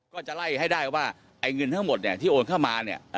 ก็จะไล่ให้ได้ว่าเงินทั้งหมดที่โอนเข้ามา